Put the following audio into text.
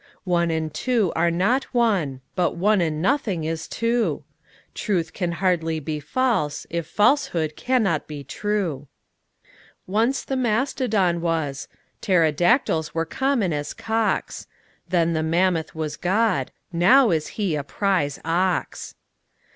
One and two are not one: but one and nothing is two: Truth can hardly be false, if falsehood cannot be true. Once the mastodon was: pterodactyls were common as cocks: Then the mammoth was God: now is He a prize ox.